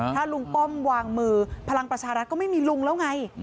ถ้าลุงป้อมวางมือพลังประชารัฐก็ไม่มีลุงแล้วไง